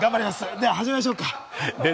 じゃあ、始めましょうか。